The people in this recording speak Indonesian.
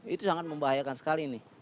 itu sangat membahayakan sekali ini